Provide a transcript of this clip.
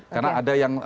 karena ada yang